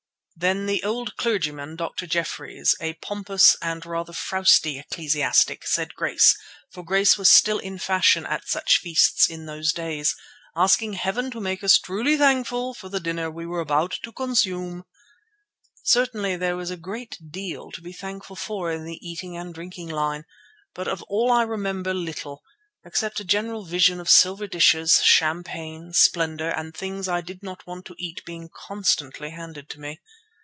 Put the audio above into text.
Then the old clergyman, Dr. Jeffreys, a pompous and rather frowsy ecclesiastic, said grace, for grace was still in fashion at such feasts in those days, asking Heaven to make us truly thankful for the dinner we were about to consume. Certainly there was a great deal to be thankful for in the eating and drinking line, but of all I remember little, except a general vision of silver dishes, champagne, splendour, and things I did not want to eat being constantly handed to me.